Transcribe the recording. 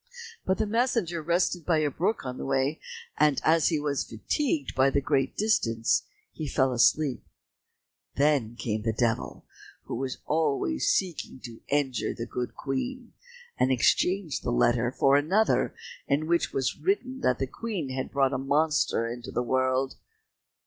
But the messenger rested by a brook on the way, and as he was fatigued by the great distance, he fell asleep. Then came the Devil, who was always seeking to injure the good Queen, and exchanged the letter for another, in which was written that the Queen had brought a monster into the world.